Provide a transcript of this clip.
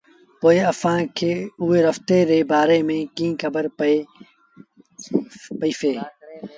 پوء اسآݩٚ کي اُئي رستي ري بآري ميݩ ڪيٚنٚ کبر پئيٚسي؟